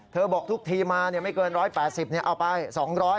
บอกทุกทีมาไม่เกิน๑๘๐เอาไป๒๐๐บาท